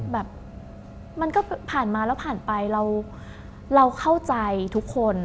แบบมันก็ผ่านมาแล้วผ่านไปเราเข้าใจทุกคน